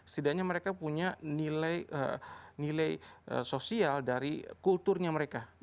setidaknya mereka punya nilai sosial dari kulturnya mereka